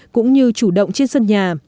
cũng như chủ động trên sân nhà